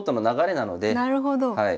なるほど。